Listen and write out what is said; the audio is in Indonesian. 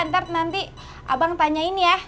nanti abang tanyain ya